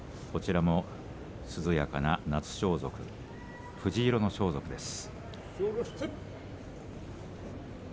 涼やかな夏装束藤色の装束です。